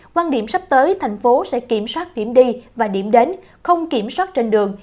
quan điểm sắp tới thành phố sẽ kiểm soát điểm đi và điểm đến không kiểm soát trên đường